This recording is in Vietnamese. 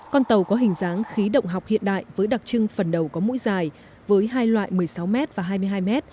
con tàu có hình dáng khí động học hiện đại với đặc trưng phần đầu có mũi dài với hai loại một mươi sáu m và hai mươi hai m